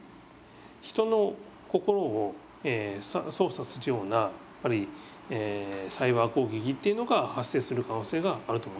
人の心を操作するようなやっぱりサイバー攻撃っていうのが発生する可能性があると思ってます。